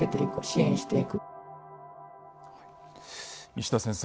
西田先生